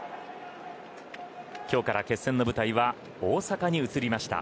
今日から決戦の舞台は大阪に移りました。